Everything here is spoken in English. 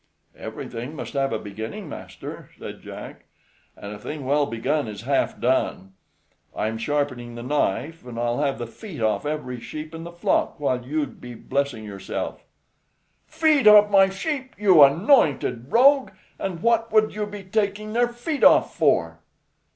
"Everything must have a beginning, master," said Jack, "and a thing well begun is half done. I am sharpening the knife, and I'll have the feet off every sheep in the flock while you'd be blessing yourself." "Feet off my sheep, you anointed rogue! and what would you be taking their feet off for?"